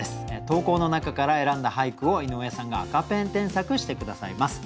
投稿の中から選んだ俳句を井上さんが赤ペン添削して下さいます。